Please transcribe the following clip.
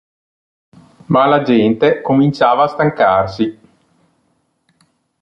Ma la gente cominciava a stancarsi.